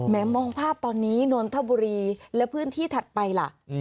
มองภาพตอนนี้นนทบุรีและพื้นที่ถัดไปล่ะ